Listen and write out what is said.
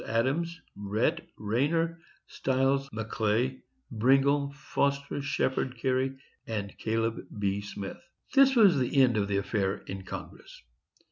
Adams, Rhett, Rayner, Stiles, Maclay, Brengle, Foster, Sheppard, Cary, and Caleb B. Smith. This was the end of the affair in Congress.